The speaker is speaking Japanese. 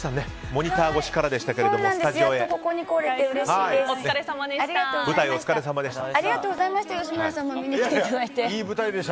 モニター越しからでしたけどやっとここに来れてうれしいです。